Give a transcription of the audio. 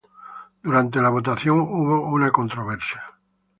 Durante la votación, hubo una controversia.